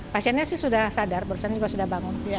pasiennya sih sudah sadar barusan juga sudah bangun di icu